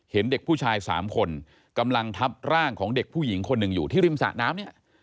เห็นเด็กผู้ชาย๓คนกำลังทับร่างของเด็กผู้หญิงคนหนึ่งอยู่ที่ริมสะน้ำเนี่ย